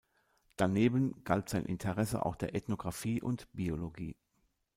Daneben galt sein Interesse auch der Ethnographie und Biologie.